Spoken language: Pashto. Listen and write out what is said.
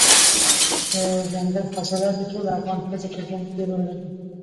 دځنګل حاصلات د ټولو افغان ښځو په ژوند کې رول لري.